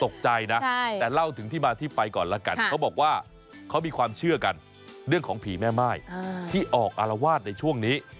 เขามีความเชื่อกันเรื่องของผีแม่ไม้ที่ออกอารวาสในช่วงนี้